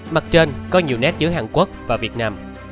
mặt trên có nhiều nét giữa hàn quốc và việt nam